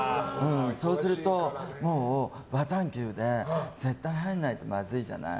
そうすると、バタンキューで絶対入らないとまずいじゃない。